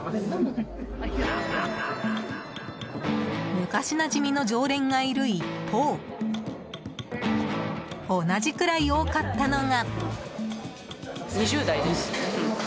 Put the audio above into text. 昔なじみの常連がいる一方同じくらい多かったのが。